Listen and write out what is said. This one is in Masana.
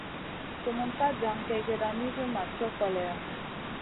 Sumun ka jan kègèda nizi ma co koleyo.